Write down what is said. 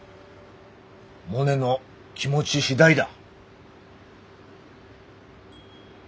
モネの気持ち次第だ。